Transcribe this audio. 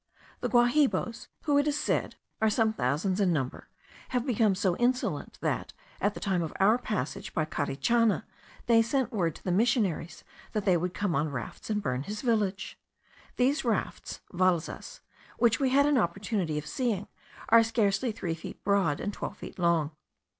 The Guahibos, who, it is said, are some thousands in number, have become so insolent, that, at the time of our passage by Carichana, they sent word to the missionary that they would come on rafts, and burn his village. These rafts (valzas), which we had an opportunity of seeing, are scarcely three feet broad, and twelve feet long.